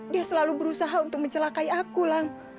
dia selalu berusaha untuk mencelakai aku bang